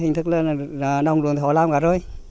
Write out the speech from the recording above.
hình thức là đồng luôn thì họ làm cả rồi